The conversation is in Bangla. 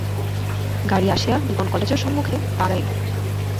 গাড়ী আসিয়া রিপন কলেজের সম্মুখে দাঁড়াইল।